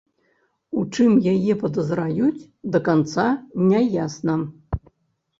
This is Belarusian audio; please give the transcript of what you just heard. У чым яе падазраюць, да канца не ясна.